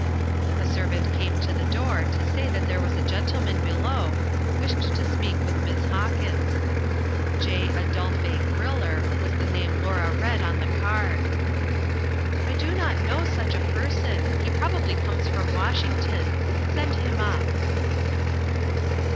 A servant came to the door to say that there was a gentleman below who wished to speak with Miss Hawkins. "J. Adolphe Griller" was the name Laura read on the card. "I do not know such a person. He probably comes from Washington. Send him up."